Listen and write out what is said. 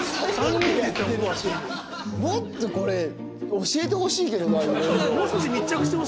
もっとこれ教えてほしいけどないろいろ。